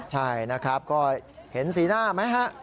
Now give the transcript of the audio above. ใช่นะครับก็เห็นสีหน้าไหมฮะ